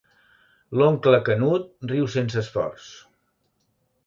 L'oncle Canut riu sense esforç.